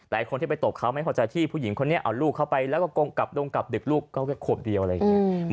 แต่คนที่ไปตบเขาไม่พอใจที่ผู้หญิงคนนี้เอาลูกเข้าไปแล้วก็กงกลับดงกลับดึกลูกก็แค่ขวบเดียวอะไรอย่างนี้